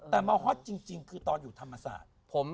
แต่มาฮอตจริงคือตอนอยู่ธรรมศาสตร์